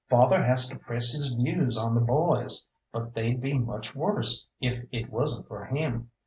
Father has to press his views on the boys, but they'd be much worse if it wasn't for him.